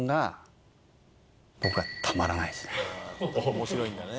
面白いんだね。